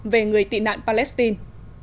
về người tị nạn palestine